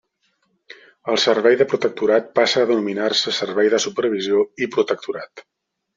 El Servei de Protectorat passa a denominar-se Servei de Supervisió i Protectorat.